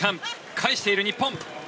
返している日本。